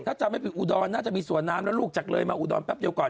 ถ้าจำไม่ผิดอุดรน่าจะมีสวนน้ำแล้วลูกจากเลยมาอุดรแป๊บเดียวก่อน